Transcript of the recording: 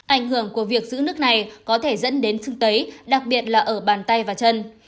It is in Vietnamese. ảnh hưởng của việc giữ nước này có thể dẫn đến sưng tấy đặc biệt là ở bàn tay và chân